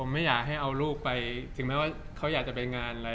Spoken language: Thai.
ไม่อยากให้เอาลูกไปถึงแม้ว่าเขาอยากจะไปงานอะไร